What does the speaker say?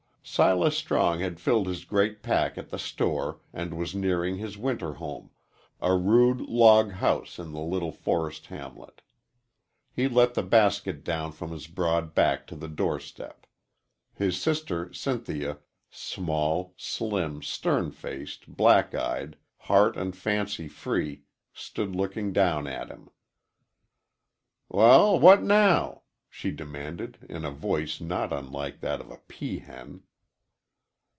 Silas Strong had filled his great pack at the store and was nearing his winter home a rude log house in the little forest hamlet. He let the basket down from his broad back to the doorstep. His sister Cynthia, small, slim, sternfaced, black eyed, heart and fancy free, stood looking down at him. "Wal, what now?" she demanded, in a voice not unlike that of a pea hen.